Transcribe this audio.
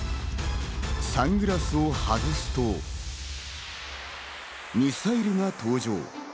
サングラスを外すと、ミサイルが登場。